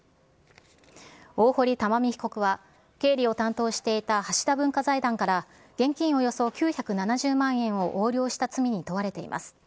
大堀たまみ被告は、経理を担当していた橋田文化財団から、現金およそ９７０万円を横領した罪に問われています。